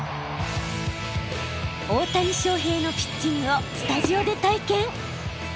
大谷翔平のピッチングをスタジオで体験。